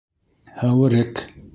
Һәүерек.